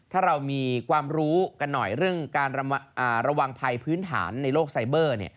ถ้าเรามีความรู้กันหน่อยเรื่องการระวังภัยพื้นฐานในโลกไซเบอร์